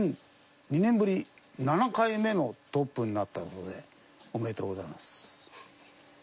２年ぶり７回目のトップになったという事でおめでとうございます。